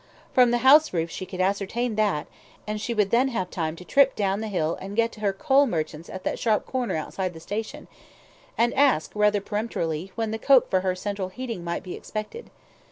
From the house roof she could ascertain that, and she would then have time to trip down the hill and get to her coal merchant's at that sharp corner outside the station, and ask, rather peremptorily, when the coke for her central heating might be expected.